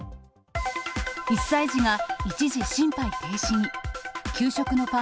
１歳児が一時心肺停止に。